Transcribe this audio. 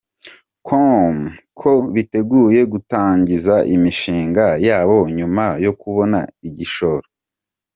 com ko biteguye gutangiza imishinga yabo nyuma yo kubona igishoro.